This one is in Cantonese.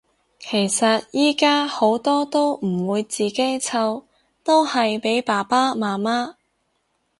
其實依家好多都唔會自己湊，都係俾爸爸媽媽